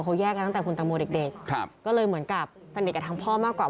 เขาแยกกันตั้งแต่คุณตังโมเด็กก็เลยเหมือนกับสนิทกับทางพ่อมากกว่า